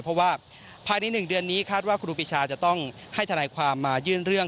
เพราะว่าภายใน๑เดือนนี้คาดว่าครูปีชาจะต้องให้ทนายความมายื่นเรื่อง